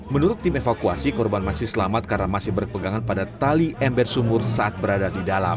menurut tim evakuasi korban masih selamat karena masih berpegangan pada tali ember sumur saat berada di dalam